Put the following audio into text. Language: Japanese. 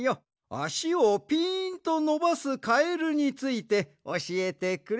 あしをぴーんとのばすカエルについておしえてくれ。